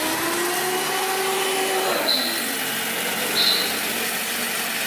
Zahnen ah ceeni mo urseŋ wo.